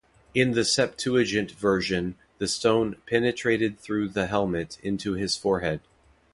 In the Septuagint version, the stone "penetrated through the helmet into his forehead".